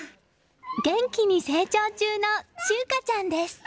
元気に成長中の柊花ちゃんです！